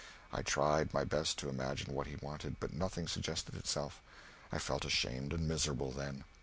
I tried my best to imagine what he wanted, but nothing suggested itself. I felt ashamed and miserable, then.